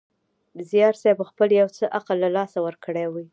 زیارصېب خپل یو څه عقل له لاسه ورکړی وي.